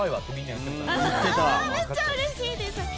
めっちゃ嬉しいです！